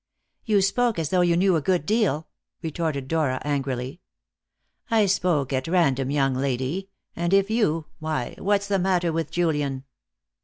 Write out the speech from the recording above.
"You spoke as though you knew a good deal, retorted Dora angrily. "I spoke at random, young lady. And if you why, what's the matter with Julian?"